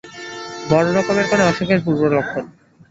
রড় রকমের কোনো অসুখের পূর্বলক্ষণ।